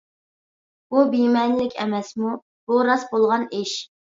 بۇ بىمەنىلىك ئەمەسمۇ؟ بۇ راست بولغان ئىش.